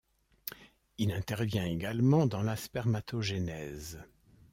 Il intervient également dans la spermatogenèse.